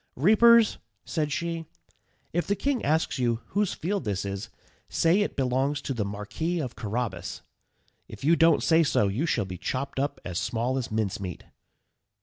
"Reapers," said she, "if the king asks you whose field this is, say it belongs to the Marquis of Carrabas; if you don't say so, you shall be chopped up as small as mincemeat."